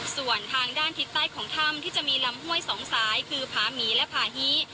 ส่วนทางด้านทิศใต้ของถ้ำที่จะมีลำห้วยสองสายคือผาหมีและผาฮี